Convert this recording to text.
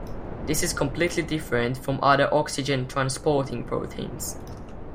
This is completely different from other oxygen transporting proteins.